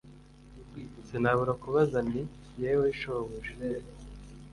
Sinabura kubaza nti Yewe shobuja